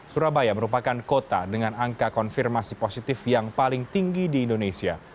surabaya merupakan kota dengan angka konfirmasi positif yang paling tinggi di indonesia